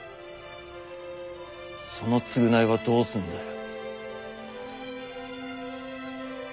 その償いはどうすんだよ。